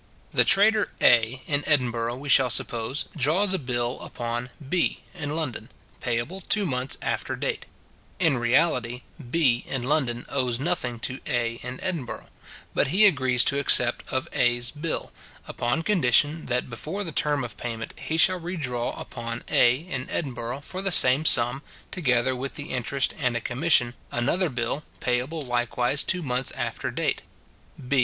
The trader A in Edinburgh, we shall suppose, draws a bill upon B in London, payable two months after date. In reality B in London owes nothing to A in Edinburgh; but he agrees to accept of A's bill, upon condition, that before the term of payment he shall redraw upon A in Edinburgh for the same sum, together with the interest and a commission, another bill, payable likewise two months after date.